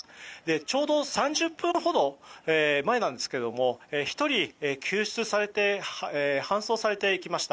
ちょうど３０分ほど前なんですが１人、救出されて搬送されていきました。